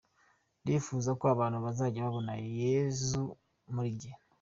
Ndifuza ko abantu bazajya babona Yezu muri njye”.